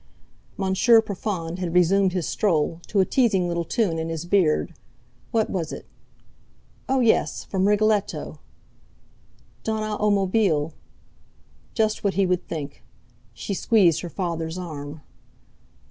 Monsieur Profond had resumed his stroll, to a teasing little tune in his beard. What was it? Oh! yes, from "Rigoletto": "Donna a mobile." Just what he would think! She squeezed her father's arm.